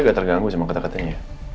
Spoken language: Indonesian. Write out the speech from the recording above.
agak terganggu sama kata katanya